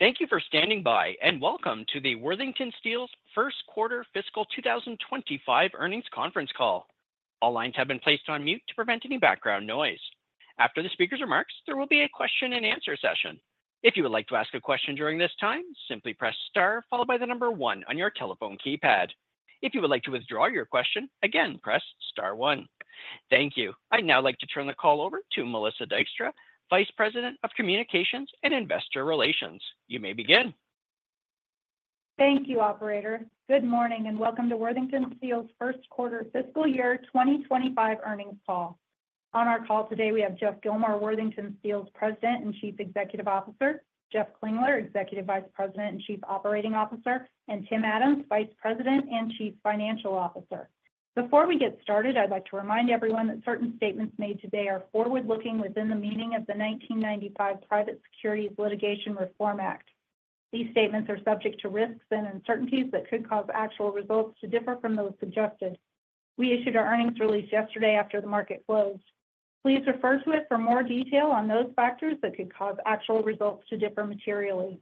Thank you for standing by, and welcome to the Worthington Steel's first quarter fiscal two thousand and twenty-five earnings conference call. All lines have been placed on mute to prevent any background noise. After the speaker's remarks, there will be a question and answer session. If you would like to ask a question during this time, simply press star followed by the number one on your telephone keypad. If you would like to withdraw your question, again, press star one. Thank you. I'd now like to turn the call over to Melissa Dykstra, Vice President of Communications and Investor Relations. You may begin. Thank you, operator. Good morning, and welcome to Worthington Steel's first quarter fiscal year 2025 earnings call. On our call today, we have Geoff Gilmore, Worthington Steel's President and Chief Executive Officer, Jeff Klingler, Executive Vice President and Chief Operating Officer, and Tim Adams, Vice President and Chief Financial Officer. Before we get started, I'd like to remind everyone that certain statements made today are forward-looking within the meaning of the 1995 Private Securities Litigation Reform Act. These statements are subject to risks and uncertainties that could cause actual results to differ from those suggested. We issued our earnings release yesterday after the market closed. Please refer to it for more detail on those factors that could cause actual results to differ materially.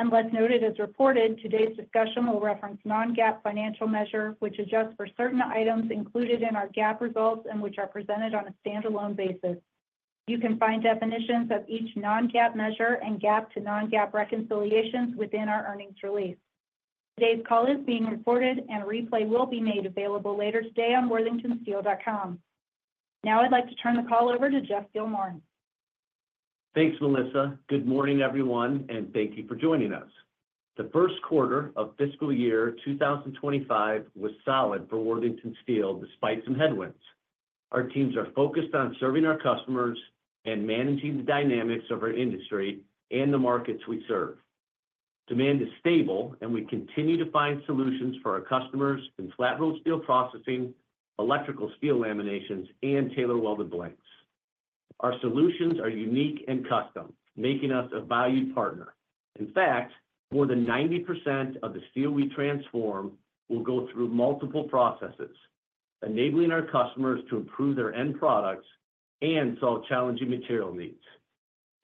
Unless noted as reported, today's discussion will reference non-GAAP financial measure, which adjusts for certain items included in our GAAP results and which are presented on a standalone basis. You can find definitions of each non-GAAP measure and GAAP to non-GAAP reconciliations within our earnings release. Today's call is being recorded, and a replay will be made available later today on worthingtonsteel.com. Now, I'd like to turn the call over to Geoff Gilmore. Thanks, Melissa. Good morning, everyone, and thank you for joining us. The first quarter of fiscal year two thousand and twenty-five was solid for Worthington Steel, despite some headwinds. Our teams are focused on serving our customers and managing the dynamics of our industry and the markets we serve. Demand is stable, and we continue to find solutions for our customers in flat-rolled steel processing, electrical steel laminations, and tailor welded blanks. Our solutions are unique and custom, making us a valued partner. In fact, more than 90% of the steel we transform will go through multiple processes, enabling our customers to improve their end products and solve challenging material needs.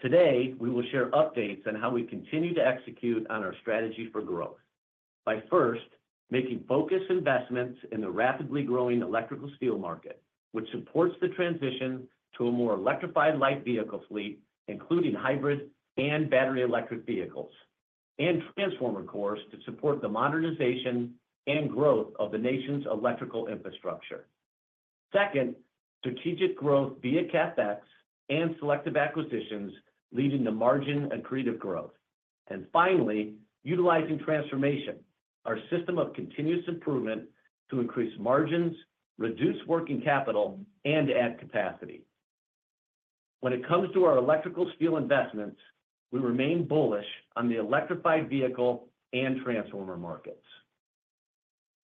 Today, we will share updates on how we continue to execute on our strategy for growth. By first, making focused investments in the rapidly growing electrical steel market, which supports the transition to a more electrified light vehicle fleet, including hybrid and battery electric vehicles, and transformer cores to support the modernization and growth of the nation's electrical infrastructure. Second, strategic growth via CapEx and selective acquisitions, leading to margin accretive growth. And finally, utilizing transformation, our system of continuous improvement to increase margins, reduce working capital, and add capacity. When it comes to our electrical steel investments, we remain bullish on the electrified vehicle and transformer markets.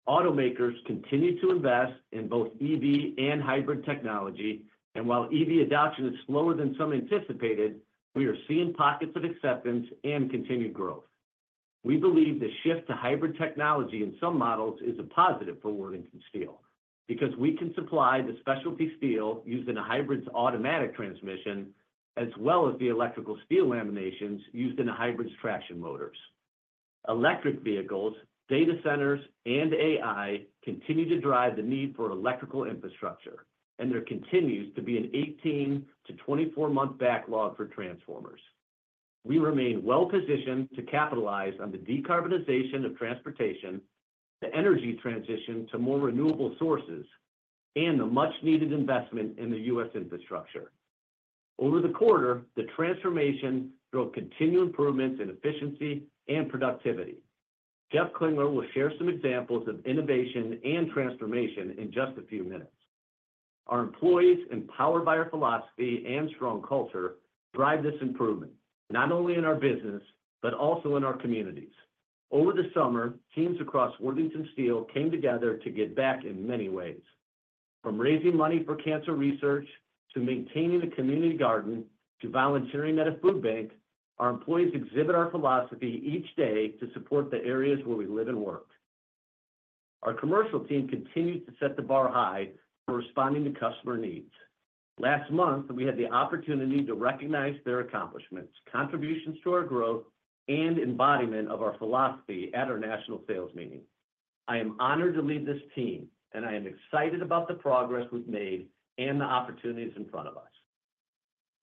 Automakers continue to invest in both EV and hybrid technology, and while EV adoption is slower than some anticipated, we are seeing pockets of acceptance and continued growth. We believe the shift to hybrid technology in some models is a positive for Worthington Steel, because we can supply the specialty steel used in a hybrid's automatic transmission, as well as the electrical steel laminations used in a hybrid's traction motors. Electric vehicles, data centers, and AI continue to drive the need for electrical infrastructure, and there continues to be an 18- to 24-month backlog for transformers. We remain well positioned to capitalize on the decarbonization of transportation, the energy transition to more renewable sources, and the much-needed investment in the U.S. infrastructure. Over the quarter, the transformation drove continued improvements in efficiency and productivity. Jeff Klingler will share some examples of innovation and transformation in just a few minutes. Our employees, empowered by our philosophy and strong culture, drive this improvement, not only in our business, but also in our communities. Over the summer, teams across Worthington Steel came together to give back in many ways. From raising money for cancer research, to maintaining a community garden, to volunteering at a food bank, our employees exhibit our philosophy each day to support the areas where we live and work. Our commercial team continues to set the bar high for responding to customer needs. Last month, we had the opportunity to recognize their accomplishments, contributions to our growth, and embodiment of our philosophy at our national sales meeting. I am honored to lead this team, and I am excited about the progress we've made and the opportunities in front of us.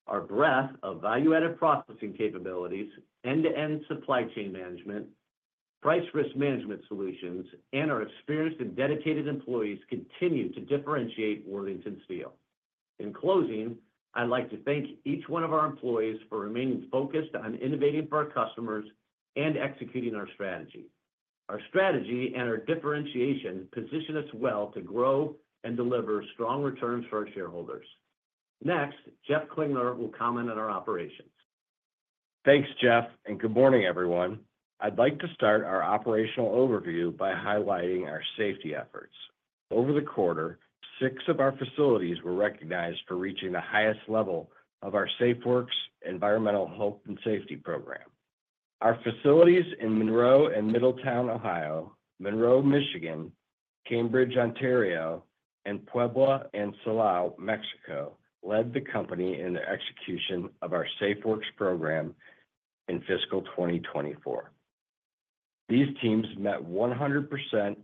Our breadth of value-added processing capabilities, end-to-end supply chain management, price risk management solutions, and our experienced and dedicated employees continue to differentiate Worthington Steel. In closing, I'd like to thank each one of our employees for remaining focused on innovating for our customers and executing our strategy. Our strategy and our differentiation position us well to grow and deliver strong returns for our shareholders. Next, Jeff Klingler will comment on our operations. Thanks, Geoff, and good morning, everyone. I'd like to start our operational overview by highlighting our safety efforts. Over the quarter, six of our facilities were recognized for reaching the highest level of our Safe Works environmental health and safety program. Our facilities in Monroe and Middletown, Ohio, Monroe, Michigan, Cambridge, Ontario, and Puebla and Silao, Mexico, led the company in the execution of our Safe Works program in fiscal twenty twenty-four. These teams met 100%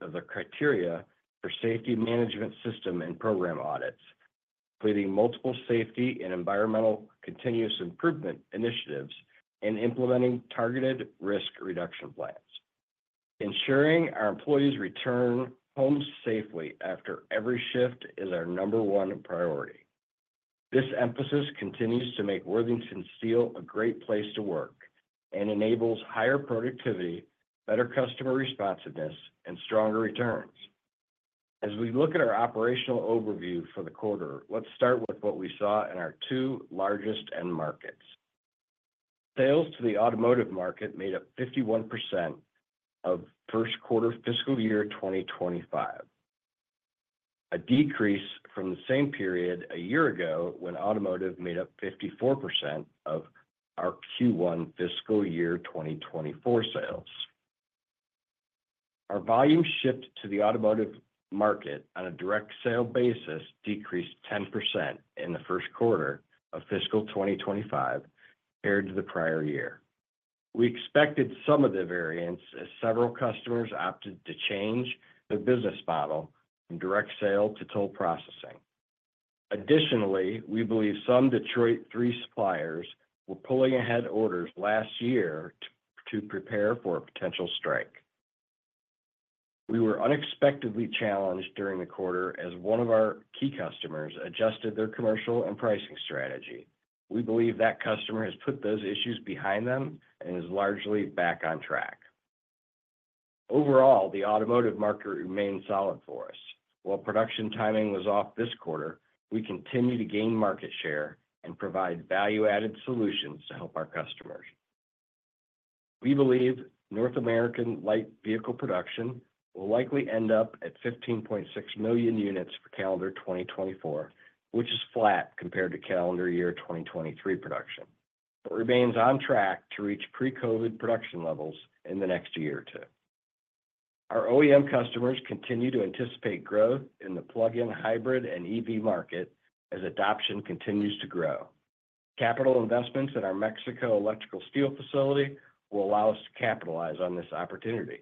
of the criteria for safety management system and program audits, completing multiple safety and environmental continuous improvement initiatives and implementing targeted risk reduction plans. Ensuring our employees return home safely after every shift is our number one priority. This emphasis continues to make Worthington Steel a great place to work and enables higher productivity, better customer responsiveness, and stronger returns. As we look at our operational overview for the quarter, let's start with what we saw in our two largest end markets. Sales to the automotive market made up 51% of first quarter fiscal year 2025, a decrease from the same period a year ago when automotive made up 54% of our Q1 fiscal year 2024 sales. Our volume shipped to the automotive market on a direct sale basis decreased 10% in the first quarter of fiscal 2025 compared to the prior year. We expected some of the variance as several customers opted to change their business model from direct sale to toll processing. Additionally, we believe some Detroit Three suppliers were pulling ahead orders last year to prepare for a potential strike. We were unexpectedly challenged during the quarter as one of our key customers adjusted their commercial and pricing strategy. We believe that customer has put those issues behind them and is largely back on track. Overall, the automotive market remains solid for us. While production timing was off this quarter, we continue to gain market share and provide value-added solutions to help our customers. We believe North American light vehicle production will likely end up at 15.6 million units for calendar 2024, which is flat compared to calendar year 2023 production, but remains on track to reach pre-COVID production levels in the next year or two. Our OEM customers continue to anticipate growth in the plug-in hybrid and EV market as adoption continues to grow. Capital investments in our Mexico electrical steel facility will allow us to capitalize on this opportunity.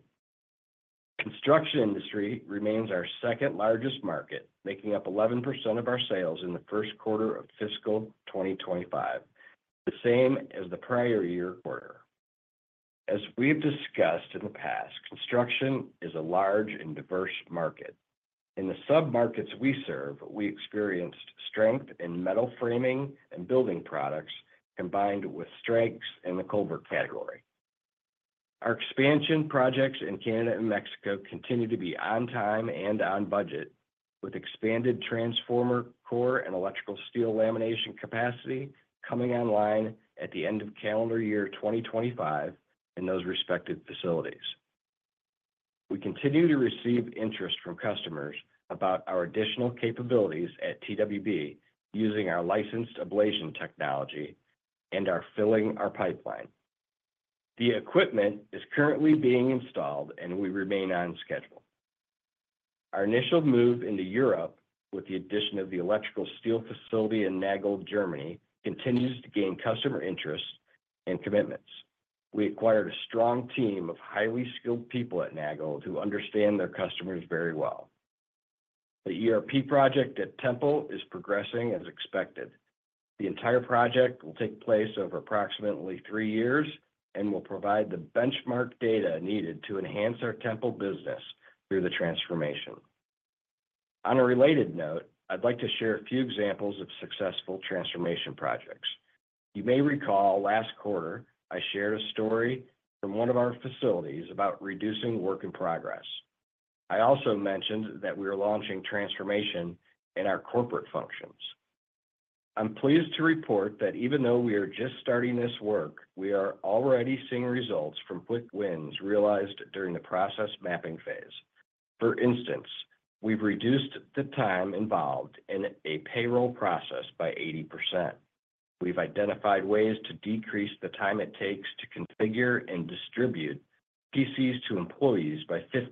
Construction industry remains our second largest market, making up 11% of our sales in the first quarter of fiscal 2025, the same as the prior year quarter. As we've discussed in the past, construction is a large and diverse market. In the sub-markets we serve, we experienced strength in metal framing and building products, combined with strengths in the culvert category. Our expansion projects in Canada and Mexico continue to be on time and on budget, with expanded transformer core and electrical steel lamination capacity coming online at the end of calendar year 2025 in those respective facilities. We continue to receive interest from customers about our additional capabilities at TWB using our licensed ablation technology and are filling our pipeline. The equipment is currently being installed, and we remain on schedule. Our initial move into Europe, with the addition of the electrical steel facility in Nagold, Germany, continues to gain customer interest and commitments. We acquired a strong team of highly skilled people at Nagold who understand their customers very well. The ERP project at Tempel is progressing as expected. The entire project will take place over approximately three years and will provide the benchmark data needed to enhance our Tempel business through the transformation. On a related note, I'd like to share a few examples of successful transformation projects. You may recall last quarter I shared a story from one of our facilities about reducing work in progress. I also mentioned that we are launching transformation in our corporate functions. I'm pleased to report that even though we are just starting this work, we are already seeing results from quick wins realized during the process mapping phase. For instance, we've reduced the time involved in a payroll process by 80%. We've identified ways to decrease the time it takes to configure and distribute PCs to employees by 15%,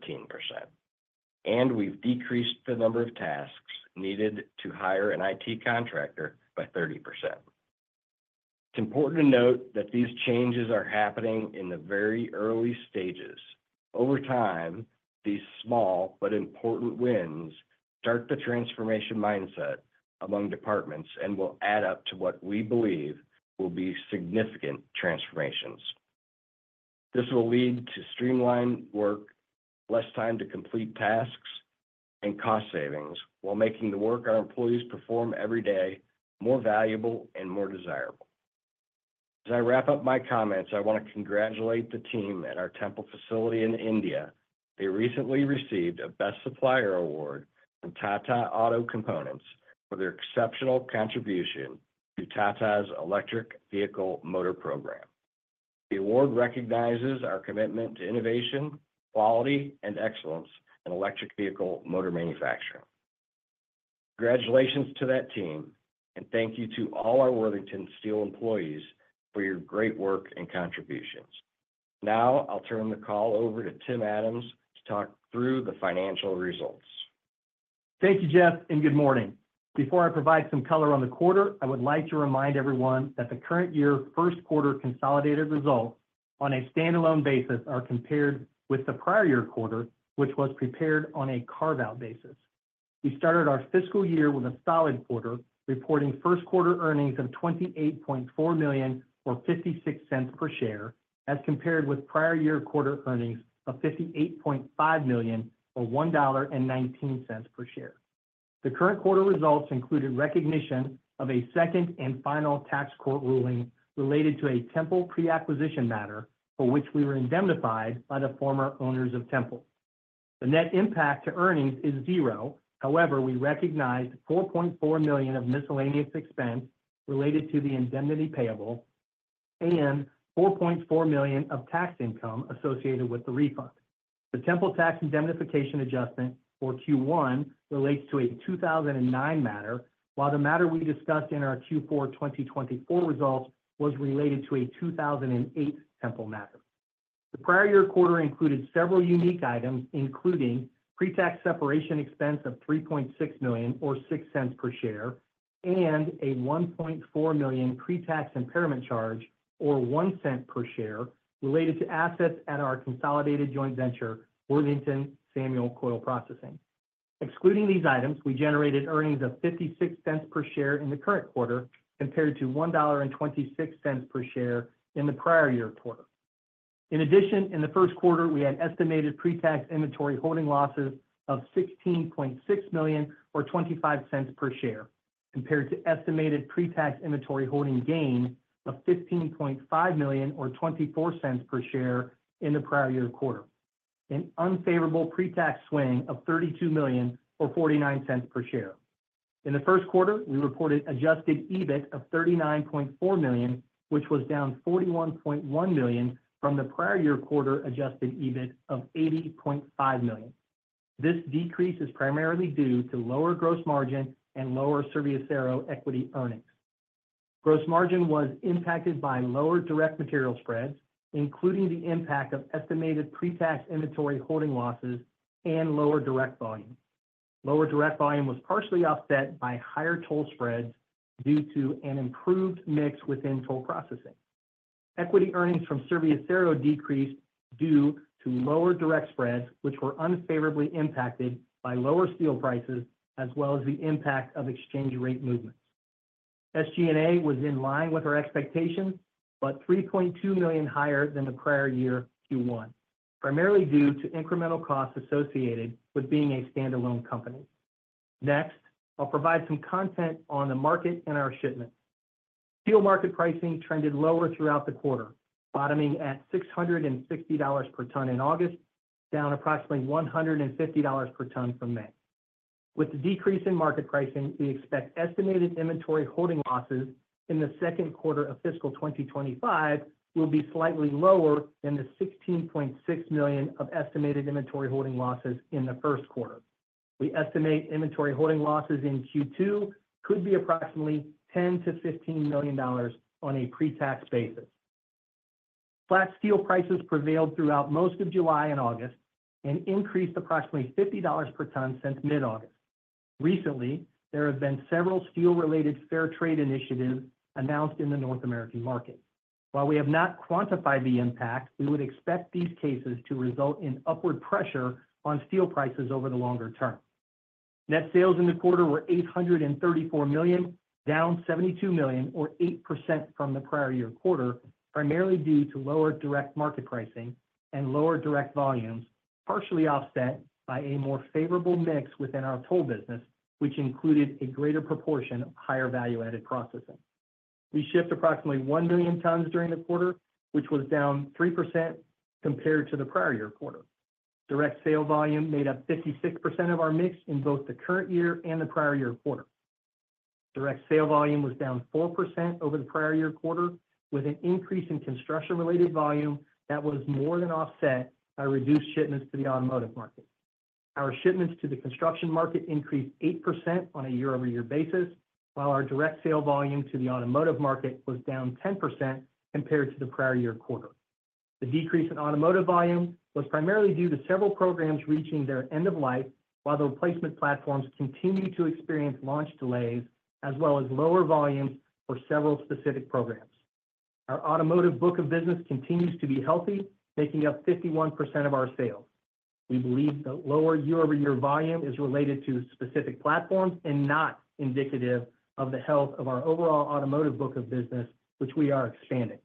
and we've decreased the number of tasks needed to hire an IT contractor by 30%. It's important to note that these changes are happening in the very early stages. Over time, these small but important wins start the transformation mindset among departments and will add up to what we believe will be significant transformations. This will lead to streamlined work, less time to complete tasks, and cost savings while making the work our employees perform every day more valuable and more desirable. As I wrap up my comments, I want to congratulate the team at our Tempel facility in India. They recently received a Best Supplier Award from Tata Auto Components for their exceptional contribution to Tata's electric vehicle motor program. The award recognizes our commitment to innovation, quality, and excellence in electric vehicle motor manufacturing.... Congratulations to that team, and thank you to all our Worthington Steel employees for your great work and contributions. Now, I'll turn the call over to Tim Adams to talk through the financial results. Thank you, Jeff, and good morning. Before I provide some color on the quarter, I would like to remind everyone that the current year first quarter consolidated results on a standalone basis are compared with the prior year quarter, which was prepared on a carve-out basis. We started our fiscal year with a solid quarter, reporting first quarter earnings of $28.4 million, or $0.56 per share, as compared with prior year quarter earnings of $58.5 million, or $1.19 per share. The current quarter results included recognition of a second and final tax court ruling related to a Tempel pre-acquisition matter for which we were indemnified by the former owners of Tempel. The net impact to earnings is zero. However, we recognized $4.4 million of miscellaneous expense related to the indemnity payable and $4.4 million of tax income associated with the refund. The Tempel tax indemnification adjustment for Q1 relates to a 2009 matter, while the matter we discussed in our Q4 2024 results was related to a 2008 Tempel matter. The prior year quarter included several unique items, including pre-tax separation expense of $3.6 million, or $0.06 per share, and a $1.4 million pre-tax impairment charge, or $0.01 per share, related to assets at our consolidated joint venture, Worthington Samuel Coil Processing. Excluding these items, we generated earnings of $0.56 per share in the current quarter, compared to $1.26 per share in the prior year quarter. In addition, in the first quarter, we had estimated pre-tax inventory holding losses of $16.6 million or $0.25 per share, compared to estimated pre-tax inventory holding gain of $15.5 million or $0.24 per share in the prior year quarter. An unfavorable pre-tax swing of $32 million or $0.49 per share. In the first quarter, we reported Adjusted EBIT of $39.4 million, which was down $41.1 million from the prior year quarter Adjusted EBIT of $80.5 million. This decrease is primarily due to lower gross margin and lower Serviacero equity earnings. Gross margin was impacted by lower direct material spreads, including the impact of estimated pre-tax inventory holding losses and lower direct volume. Lower direct volume was partially offset by higher toll spreads due to an improved mix within toll processing. Equity earnings from Serviacero decreased due to lower direct spreads, which were unfavorably impacted by lower steel prices, as well as the impact of exchange rate movements. SG&A was in line with our expectations, but $3.2 million higher than the prior year Q1, primarily due to incremental costs associated with being a standalone company. Next, I'll provide some content on the market and our shipments. Steel market pricing trended lower throughout the quarter, bottoming at $660 per ton in August, down approximately $150 per ton from May. With the decrease in market pricing, we expect estimated inventory holding losses in the second quarter of fiscal 2025 will be slightly lower than the $16.6 million of estimated inventory holding losses in the first quarter. We estimate inventory holding losses in Q2 could be approximately $10-$15 million on a pre-tax basis. Flat steel prices prevailed throughout most of July and August and increased approximately $50 per ton since mid-August. Recently, there have been several steel-related fair trade initiatives announced in the North American market. While we have not quantified the impact, we would expect these cases to result in upward pressure on steel prices over the longer term. Net sales in the quarter were $834 million, down $72 million, or 8% from the prior year quarter, primarily due to lower direct market pricing and lower direct volumes, partially offset by a more favorable mix within our toll business, which included a greater proportion of higher value-added processing. We shipped approximately 1 billion tons during the quarter, which was down 3% compared to the prior year quarter. Direct sale volume made up 56% of our mix in both the current year and the prior year quarter. Direct sale volume was down 4% over the prior year quarter, with an increase in construction-related volume that was more than offset by reduced shipments to the automotive market. Our shipments to the construction market increased 8% on a year-over-year basis, while our direct sale volume to the automotive market was down 10% compared to the prior year quarter. The decrease in automotive volume was primarily due to several programs reaching their end of life, while the replacement platforms continued to experience launch delays, as well as lower volumes for several specific programs. Our automotive book of business continues to be healthy, making up 51% of our sales. We believe the lower year-over-year volume is related to specific platforms and not indicative of the health of our overall automotive book of business, which we are expanding.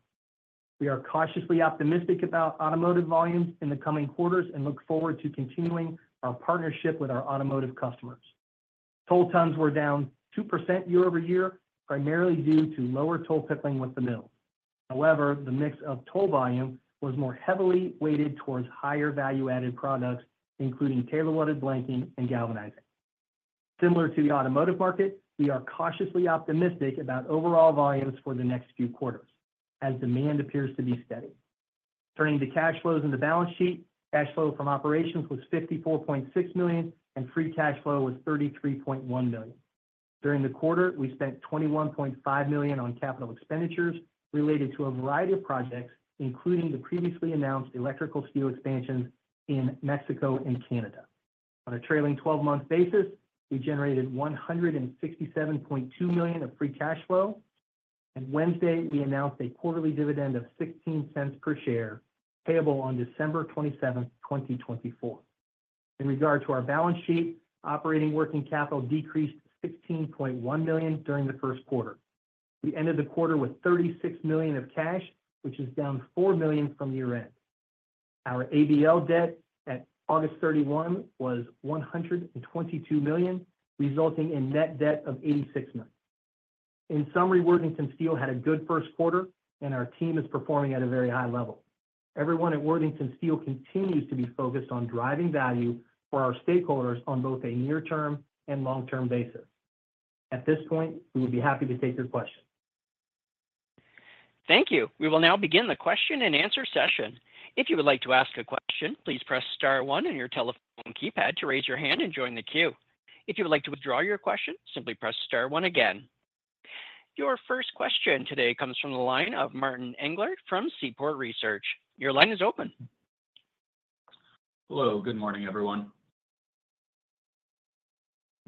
We are cautiously optimistic about automotive volumes in the coming quarters and look forward to continuing our partnership with our automotive customers. Toll tons were down 2% year over year, primarily due to lower toll pickling with the mill. However, the mix of toll volume was more heavily weighted towards higher value-added products, including tailor welded blanking and galvanizing. Similar to the automotive market, we are cautiously optimistic about overall volumes for the next few quarters, as demand appears to be steady. Turning to cash flows in the balance sheet. Cash flow from operations was $54.6 million, and free cash flow was $33.1 million. During the quarter, we spent $21.5 million on capital expenditures related to a variety of projects, including the previously announced electrical steel expansions in Mexico and Canada. On a trailing twelve-month basis, we generated $167.2 million of free cash flow, and Wednesday, we announced a quarterly dividend of $0.16 per share, payable on December 27th, 2024. In regard to our balance sheet, operating working capital decreased $16.1 million during the first quarter. We ended the quarter with $36 million of cash, which is down $4 million from the year-end. Our ABL debt at August 31 was $122 million, resulting in net debt of $86 million. In summary, Worthington Steel had a good first quarter, and our team is performing at a very high level. Everyone at Worthington Steel continues to be focused on driving value for our stakeholders on both a near-term and long-term basis. At this point, we would be happy to take your questions. Thank you. We will now begin the question-and-answer session. If you would like to ask a question, please press star one on your telephone keypad to raise your hand and join the queue. If you would like to withdraw your question, simply press star one again. Your first question today comes from the line of Martin Englert from Seaport Research. Your line is open. Hello. Good morning, everyone.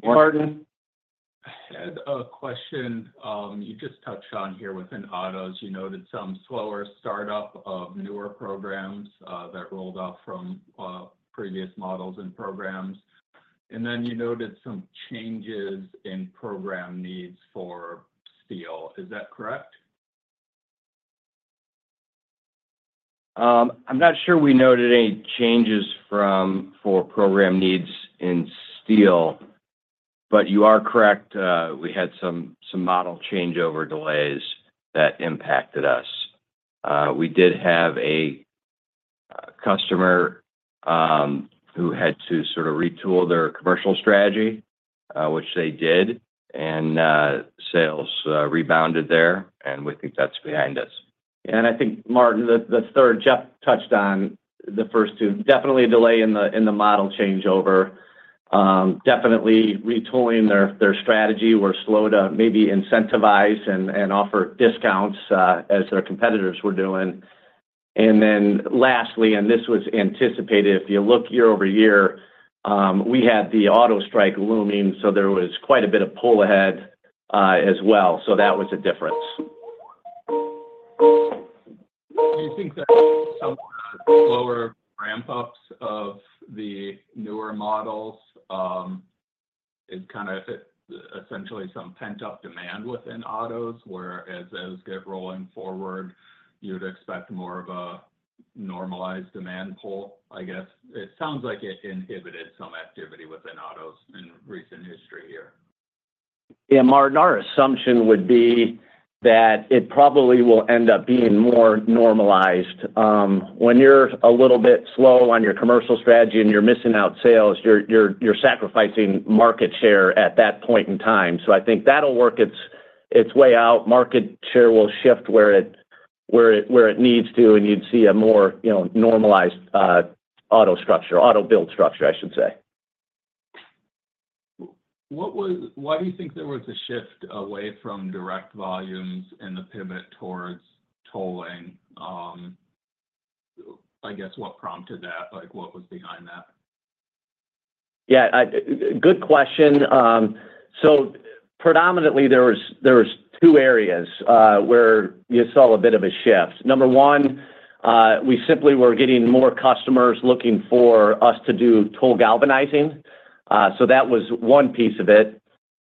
Martin? I had a question, you just touched on here within autos. You noted some slower startup of newer programs that rolled out from previous models and programs, and then you noted some changes in program needs for steel. Is that correct? I'm not sure we noted any changes for program needs in steel, but you are correct. We had some model changeover delays that impacted us. We did have a customer who had to sort of retool their commercial strategy, which they did, and sales rebounded there, and we think that's behind us. I think, Martin, the third. Geoff touched on the first two. Definitely a delay in the model changeover. Definitely retooling their strategy were slow to maybe incentivize and offer discounts, as their competitors were doing. And then lastly, and this was anticipated, if you look year over year, we had the auto strike looming, so there was quite a bit of pull ahead, as well. So that was a difference. Do you think that some slower ramp-ups of the newer models is kind of essentially some pent-up demand within autos, whereas as get rolling forward, you'd expect more of a normalized demand pull, I guess? It sounds like it inhibited some activity within autos in recent history here. Yeah, Martin, our assumption would be that it probably will end up being more normalized. When you're a little bit slow on your commercial strategy and you're missing out sales, you're sacrificing market share at that point in time. So I think that'll work its way out. Market share will shift where it needs to, and you'd see a more, you know, normalized auto structure, auto build structure, I should say. Why do you think there was a shift away from direct volumes and the pivot towards tolling? I guess, what prompted that? Like, what was behind that? Yeah. Good question. So predominantly, there was two areas where you saw a bit of a shift. Number one, we simply were getting more customers looking for us to do toll galvanizing. So that was one piece of it.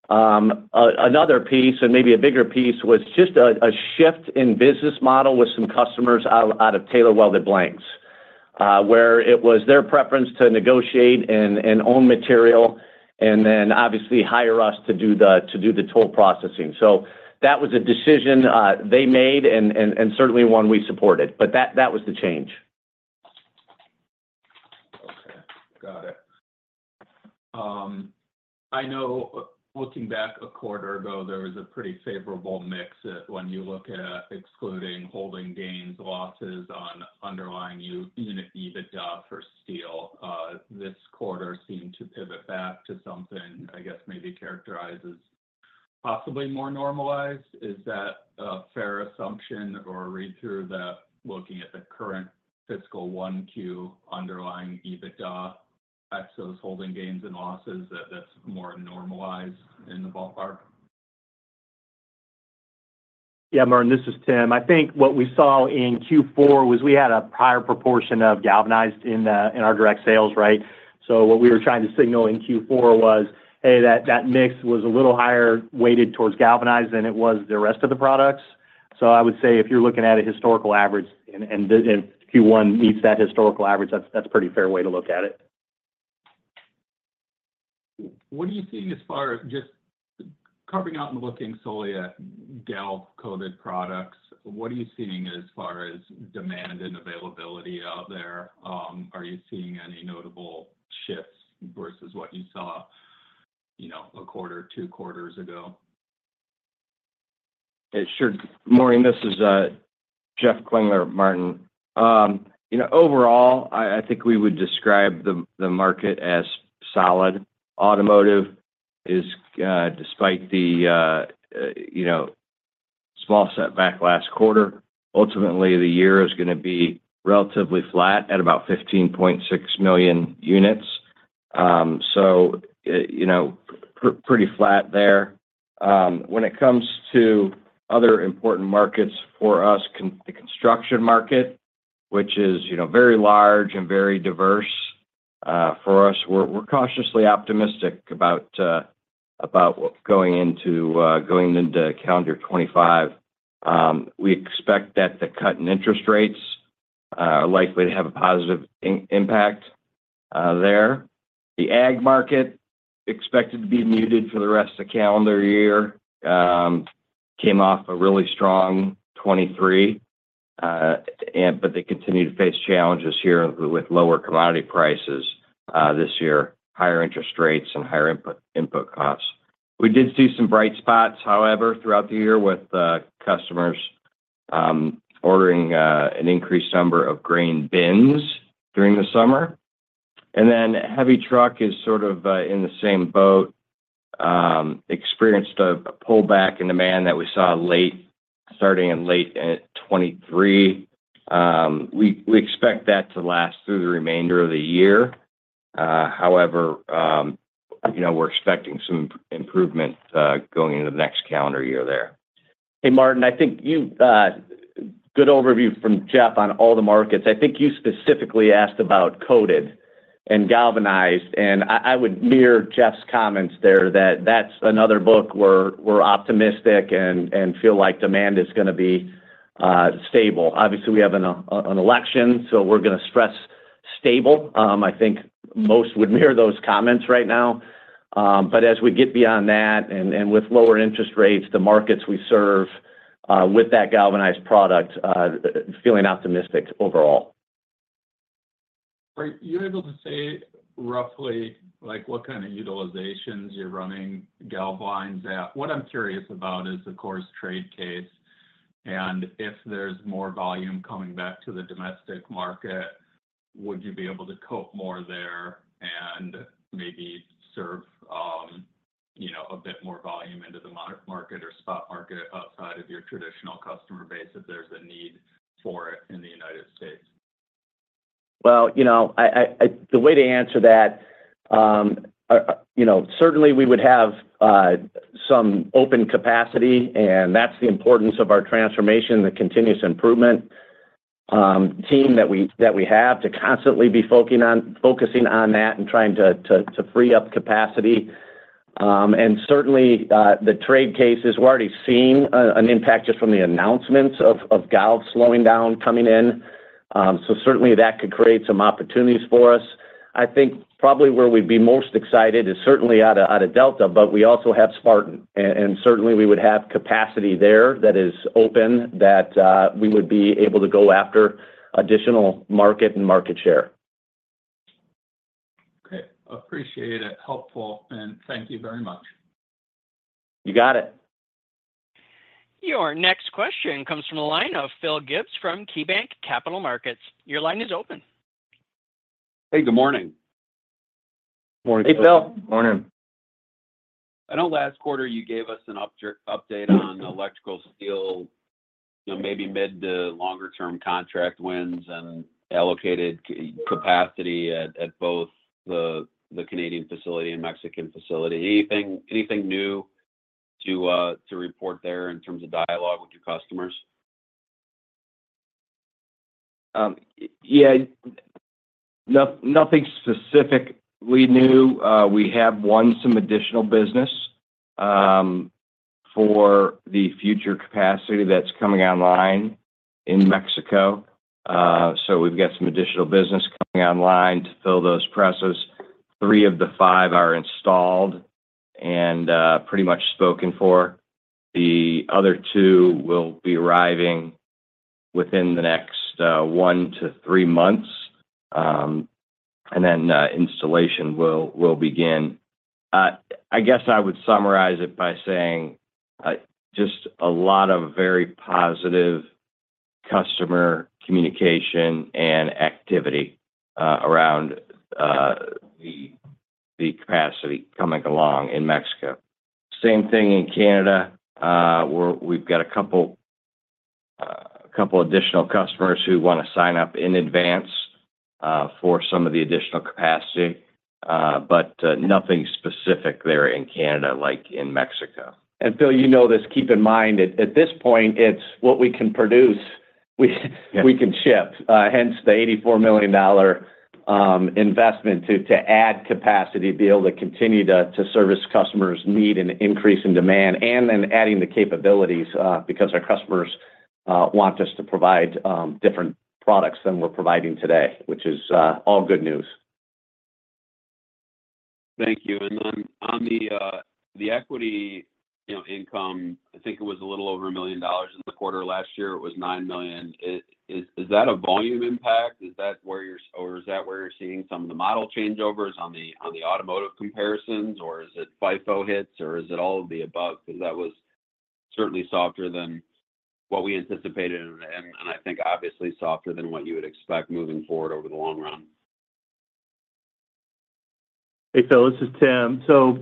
Another piece, and maybe a bigger piece, was just a shift in business model with some customers out of tailor welded blanks, where it was their preference to negotiate and own material, and then obviously hire us to do the toll processing. So that was a decision they made and certainly one we supported, but that was the change. Okay, got it. I know looking back a quarter ago, there was a pretty favorable mix when you look at excluding holding gains, losses on underlying unit EBITDA for steel. This quarter seemed to pivot back to something, I guess, maybe characterized as possibly more normalized. Is that a fair assumption, or read through the looking at the current fiscal one Q underlying EBITDA, that's those holding gains and losses, that's more normalized in the ballpark? Yeah, Martin, this is Tim. I think what we saw in Q4 was we had a higher proportion of galvanized in our direct sales, right? So what we were trying to signal in Q4 was, hey, that mix was a little higher weighted towards galvanized than it was the rest of the products. So I would say, if you're looking at a historical average and Q1 meets that historical average, that's a pretty fair way to look at it. What are you seeing as far as just carving out and looking solely at galv coated products, what are you seeing as far as demand and availability out there? Are you seeing any notable shifts versus what you saw, you know, a quarter, two quarters ago? Hey, sure. Martin, this is Jeff Klingler, Martin. You know, overall, I think we would describe the market as solid. Automotive is, despite the, you know, small setback last quarter, ultimately, the year is gonna be relatively flat at about 15.6 million units. So, you know, pretty flat there. When it comes to other important markets for us, the construction market, which is, you know, very large and very diverse, for us, we're cautiously optimistic about what going into, going into calendar 2025. We expect that the cut in interest rates are likely to have a positive impact there. The ag market, expected to be muted for the rest of the calendar year, came off a really strong 2023, and but they continue to face challenges here with lower commodity prices this year, higher interest rates and higher input costs. We did see some bright spots, however, throughout the year, with customers ordering an increased number of grain bins during the summer. And then, heavy truck is sort of in the same boat, experienced a pullback in demand that we saw starting in late 2023. We expect that to last through the remainder of the year. However, you know, we're expecting some improvement going into the next calendar year there. Hey, Martin, I think you good overview from Jeff on all the markets. I think you specifically asked about coated and galvanized, and I would mirror Geoff's comments there, that that's another book where we're optimistic and feel like demand is gonna be stable. Obviously, we have an election, so we're gonna stress stable. I think most would mirror those comments right now. But as we get beyond that, and with lower interest rates, the markets we serve with that galvanized product feeling optimistic overall. Are you able to say roughly, like, what kind of utilizations you're running galv lines at? What I'm curious about is, of course, trade case, and if there's more volume coming back to the domestic market, would you be able to coat more there and maybe serve, you know, a bit more volume into the Monroe market or spot market outside of your traditional customer base, if there's a need for it in the United States? You know, the way to answer that, you know, certainly, we would have some open capacity, and that's the importance of our transformation, the continuous improvement team that we have to constantly be focusing on, focusing on that and trying to free up capacity. And certainly, the trade cases, we're already seeing an impact just from the announcements of galvanized slowing down coming in. So certainly, that could create some opportunities for us. I think probably where we'd be most excited is certainly out of Delta, but we also have Spartan, and certainly, we would have capacity there that is open, that we would be able to go after additional market and market share. Okay, appreciate it. Helpful, and thank you very much. You got it. Your next question comes from the line of Phil Gibbs from KeyBanc Capital Markets. Your line is open. Hey, good morning. Morning. Hey, Phil. Morning. I know last quarter you gave us an update on electrical steel, you know, maybe mid to longer term contract wins and allocated capacity at both the Canadian facility and Mexican facility. Anything new to report there in terms of dialogue with your customers? Yeah, nothing specifically new. We have won some additional business for the future capacity that's coming online in Mexico. So we've got some additional business coming online to fill those presses. Three of the five are installed and pretty much spoken for. The other two will be arriving within the next one to three months, and then installation will begin. I guess I would summarize it by saying just a lot of very positive customer communication and activity around the capacity coming along in Mexico. Same thing in Canada. We've got a couple additional customers who wanna sign up in advance for some of the additional capacity, but nothing specific there in Canada, like in Mexico. Phil, you know this. Keep in mind, at this point, it's what we can produce. We can ship. Yeah. Hence the $84 million investment to add capacity, be able to continue to service customers' need and increase in demand, and then adding the capabilities, because our customers want us to provide different products than we're providing today, which is all good news. Thank you. And then on the equity, you know, income, I think it was a little over $1 million in the quarter. Last year, it was $9 million. Is that a volume impact? Is that where you're seeing some of the model changeovers on the automotive comparisons, or is it FIFO hits, or is it all of the above? Because that was certainly softer than what we anticipated, and I think obviously softer than what you would expect moving forward over the long run. Hey, Phil, this is Tim. So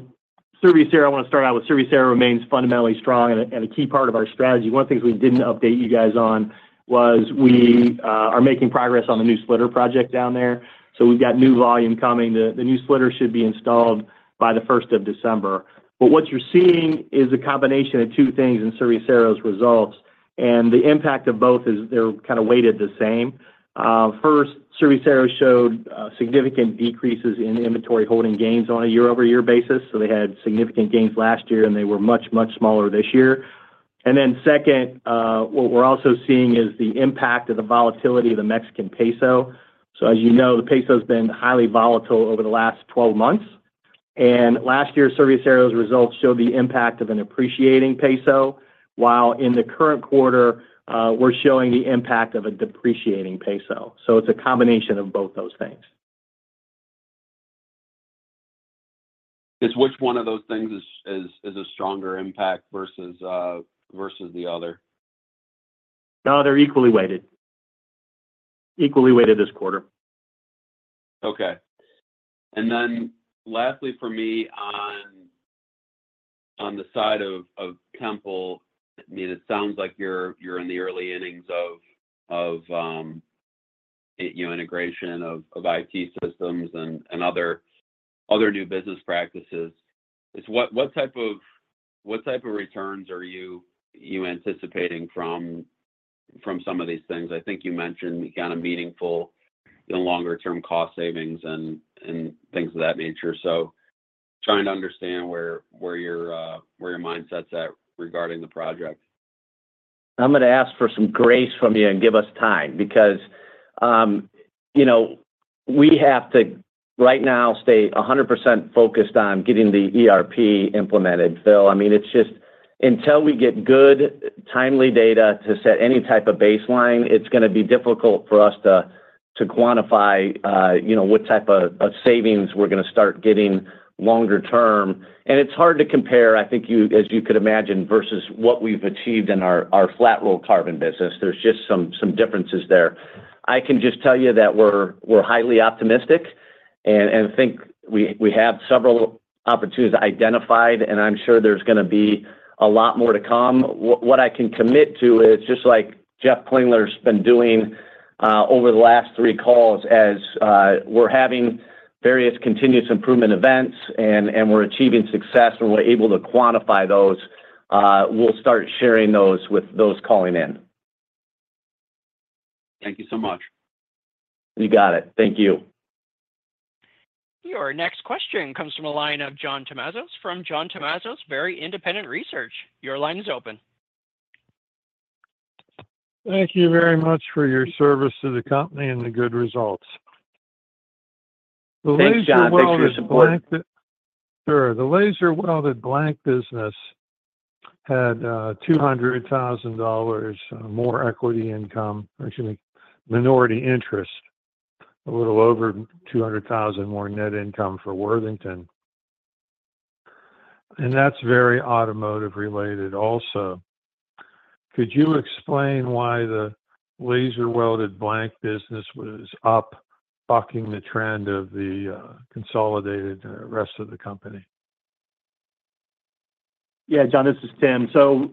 Serviacero, I want to start out with Serviacero remains fundamentally strong and a key part of our strategy. One of the things we didn't update you guys on was we are making progress on the new splitter project down there. So we've got new volume coming. The new splitter should be installed by the first of December. But what you're seeing is a combination of two things in Serviacero's results, and the impact of both is they're kind of weighted the same. First, Serviacero showed significant decreases in inventory holding gains on a year-over-year basis, so they had significant gains last year, and they were much, much smaller this year. And then second, what we're also seeing is the impact of the volatility of the Mexican peso. As you know, the peso's been highly volatile over the last twelve months, and last year, Serviacero's results showed the impact of an appreciating peso, while in the current quarter, we're showing the impact of a depreciating peso. It's a combination of both those things. Which one of those things is a stronger impact versus the other? No, they're equally weighted. Equally weighted this quarter. Okay. And then lastly for me on the side of Tempel, I mean, it sounds like you're in the early innings of, you know, integration of IT systems and other new business practices. What type of returns are you anticipating from some of these things? I think you mentioned kind of meaningful, you know, longer term cost savings and things of that nature. So trying to understand where your mindset's at regarding the project. I'm gonna ask for some grace from you and give us time because, you know, we have to, right now, stay 100% focused on getting the ERP implemented. So, I mean, it's just until we get good, timely data to set any type of baseline, it's gonna be difficult for us to quantify, you know, what type of savings we're gonna start getting longer term. And it's hard to compare, I think you, as you could imagine, versus what we've achieved in our flat-roll carbon business. There's just some differences there. I can just tell you that we're highly optimistic and think we have several opportunities identified, and I'm sure there's gonna be a lot more to come. What I can commit to is, just like Jeff Klingler's been doing, over the last three calls, as we're having various continuous improvement events and we're achieving success, and we're able to quantify those, we'll start sharing those with those calling in. Thank you so much. You got it. Thank you. Your next question comes from the line of John Tumazos from Very Independent Research. Your line is open. Thank you very much for your service to the company and the good results. Thanks, John. Thank you for your support. Sure. The laser-welded blank business had $200,000 more equity income, or excuse me, minority interest, a little over $200,000 more net income for Worthington, and that's very automotive related also. Could you explain why the laser-welded blank business was up, bucking the trend of the consolidated rest of the company? Yeah, John, this is Tim. So,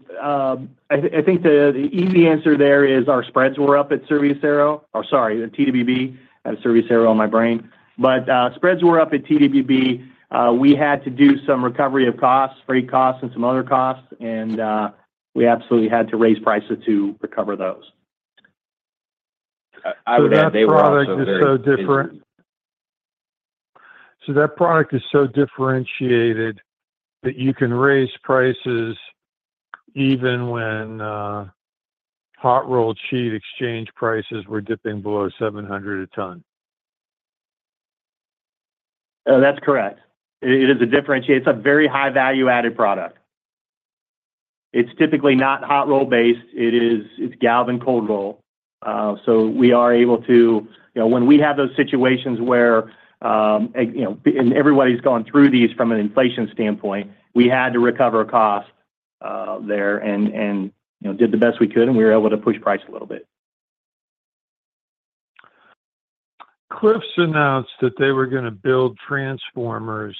I think the easy answer there is our spreads were up at Serviacero. Oh, sorry, the TWB. I have Serviacero on my brain. But, spreads were up at TWB. We had to do some recovery of costs, freight costs, and some other costs, and we absolutely had to raise prices to recover those. I would add, they were also very- So that product is so different. So that product is so differentiated that you can raise prices even when hot-roll sheet exchange prices were dipping below 700 a ton. That's correct. It is a differentiator. It's a very high value-added product. It's typically not hot-rolled based. It is galvanized cold roll. So we are able to. You know, when we have those situations where, you know, and everybody's gone through these from an inflation standpoint, we had to recover costs there and, you know, did the best we could, and we were able to push price a little bit. Cliffs announced that they were gonna build transformers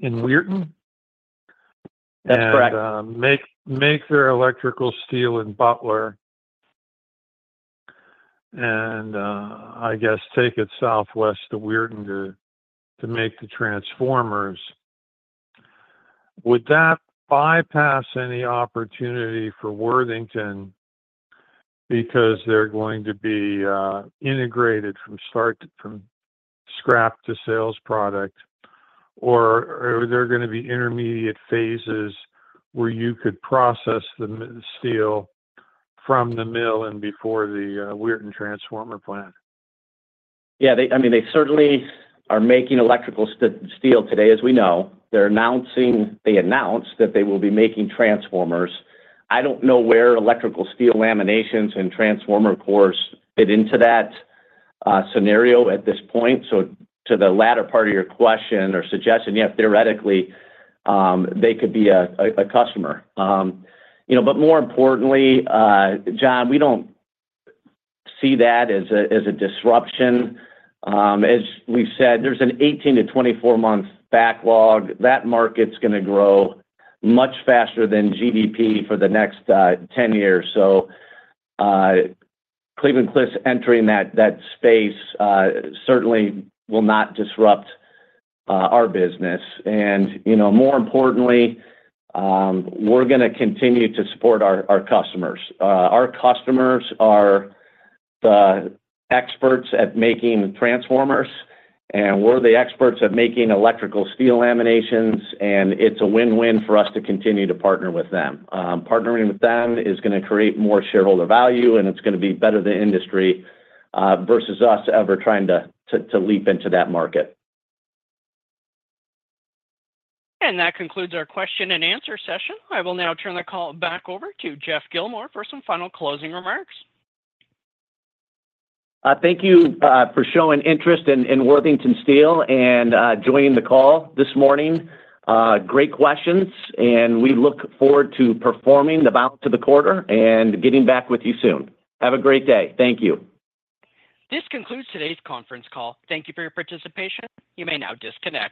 in Weirton? That's correct. And make their electrical steel in Butler, and I guess take it southwest to Weirton to make the transformers. Would that bypass any opportunity for Worthington because they're going to be integrated from start to from scrap to sales product, or are there gonna be intermediate phases where you could process the steel from the mill and before the Weirton transformer plant? Yeah, I mean, they certainly are making electrical steel today, as we know. They announced that they will be making transformers. I don't know where electrical steel laminations and transformer cores fit into that scenario at this point. So to the latter part of your question or suggestion, yeah, theoretically, they could be a customer. You know, but more importantly, John, we don't see that as a disruption. As we've said, there's an 18-24 month backlog. That market's gonna grow much faster than GDP for the next 10 years. So, Cleveland-Cliffs entering that space certainly will not disrupt our business. And, you know, more importantly, we're gonna continue to support our customers. Our customers are the experts at making transformers, and we're the experts at making electrical steel laminations, and it's a win-win for us to continue to partner with them. Partnering with them is gonna create more shareholder value, and it's gonna be better to industry, versus us ever trying to leap into that market. That concludes our question and answer session. I will now turn the call back over to Geoff Gilmore for some final closing remarks. Thank you for showing interest in Worthington Steel and joining the call this morning. Great questions, and we look forward to performing the balance of the quarter and getting back with you soon. Have a great day. Thank you. This concludes today's conference call. Thank you for your participation. You may now disconnect.